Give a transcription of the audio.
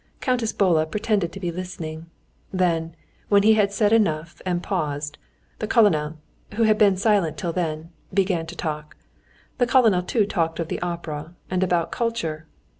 Countess Bola pretended to be listening. Then, when he had said enough and paused, the colonel, who had been silent till then, began to talk. The colonel too talked of the opera, and about culture.